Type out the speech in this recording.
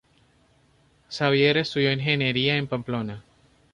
Xabier estudió Ingeniería en Pamplona.